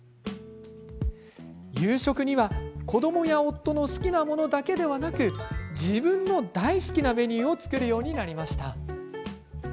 夕食には、子どもや夫の好きなものだけではなく自分の大好きなメニューを作るようになりました。